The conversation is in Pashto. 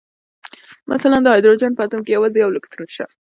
مثلاً د هایدروجن په اتوم کې یوازې یو الکترون شته